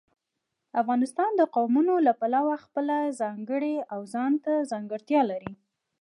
افغانستان د قومونه له پلوه خپله ځانګړې او ځانته ځانګړتیا لري.